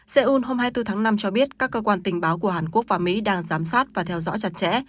seoul hôm hai mươi bốn tháng năm cho biết các cơ quan tình báo của hàn quốc và mỹ đang giám sát và theo dõi chặt chẽ